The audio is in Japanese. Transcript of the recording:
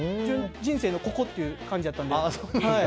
人生のここという感じだったので。